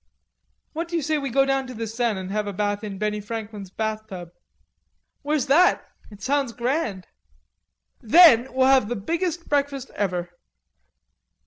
"What do you say we go down to the Seine and have a bath in Benny Franklin's bathtub?" "Where's that? It sounds grand." "Then we'll have the biggest breakfast ever."